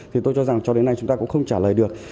thì tôi cho rằng cho đến nay chúng ta cũng không trả lời được